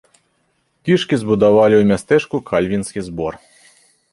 Кішкі збудавалі ў мястэчку кальвінскі збор.